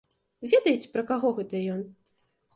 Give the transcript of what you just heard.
Ведаеце, пра каго гэта ён?